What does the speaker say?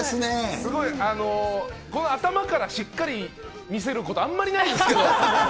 すごい、この頭からしっかり見せること、あんまりないんですけど。